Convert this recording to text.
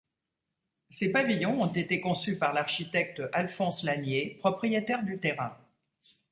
Ces pavillons ont été conçus par l’architecte Alphonse Lasnier propriétaire du terrain.